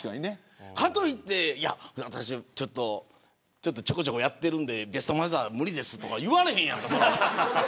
かといって私ちょこちょこやっているのでベストマザー賞無理ですとか言われへんやん。